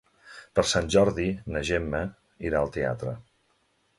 Per Sant Jordi na Gemma irà al teatre.